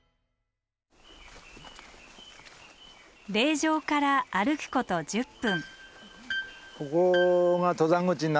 霊場から歩くこと１０分。